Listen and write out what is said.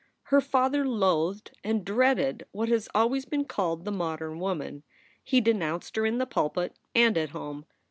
Her father loathed and dreaded what has always been called the modern woman. He denounced her in the pulpit and at home.